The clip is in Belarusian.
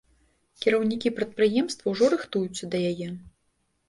Кіраўнікі прадпрыемства ўжо рыхтуюцца да яе.